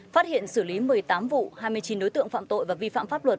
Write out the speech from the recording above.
phát hiện xử lý một mươi tám vụ hai mươi chín đối tượng phạm tội và vi phạm pháp luật